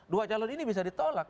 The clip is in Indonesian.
dua calon ini bisa ditolak